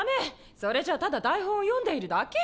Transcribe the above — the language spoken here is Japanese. それじゃただだいほんをよんでいるだけよ。